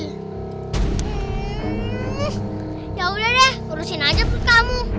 hmm yaudah deh urusin aja buat kamu